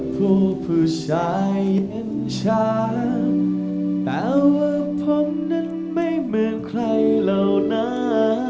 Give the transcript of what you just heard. พื้นชายเย็นช้าแต่ว่าพ่อนั้นไม่เหมือนใครเราน้า